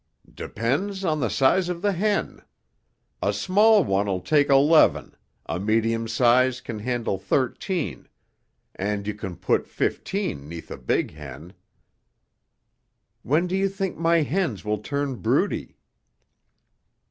"Depends on the size of the hen. A small one'll take eleven, a medium size can handle thirteen and you can put fifteen 'neath a big hen." "When do you think my hens will turn broody?"